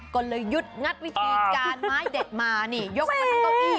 กลยุทธ์งัดวิถีคุณตาไว้